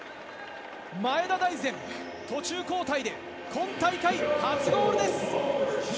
前田大然、途中交代で今大会、初ゴールです。